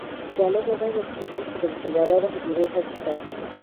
جالبه داده چې دلته د مسلمانانو هدیره هم شته.